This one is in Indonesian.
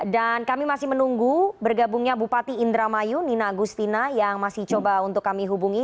dan kami masih menunggu bergabungnya bupati indra mayu nina agustina yang masih coba untuk kami hubungi